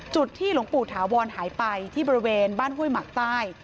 จุดที่หลวงปู่ถาวรหายไปที่บริเวณบ้านห้วยหมักใต้